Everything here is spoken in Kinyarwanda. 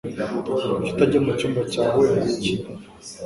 Kuki utajya mucyumba cyawe ngo ukine?